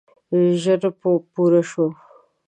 ژر پوره شوه.